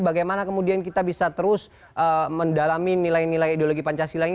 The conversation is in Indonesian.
bagaimana kemudian kita bisa terus mendalami nilai nilai ideologi pancasila ini